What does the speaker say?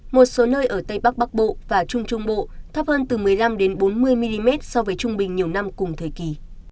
một số nơi ở tây bắc bắc bộ và trung trung bộ thấp hơn từ một mươi năm bốn mươi mm so với trung bình nhiều năm cùng thời kỳ